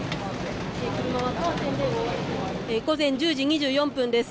午前１０時２４分です。